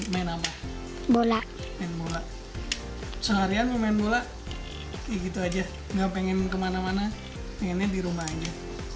main main bola bola seharian memain bola gitu aja nggak pengen kemana mana ini dirumahnya